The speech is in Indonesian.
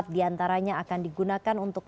empat di antaranya akan digunakan untuk penyelenggaraan